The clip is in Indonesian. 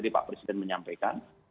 tadi pak presiden menyampaikan